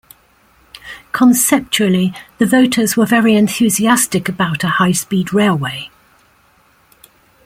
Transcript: Conceptually, the voters were very enthusiastic about a high speed railway.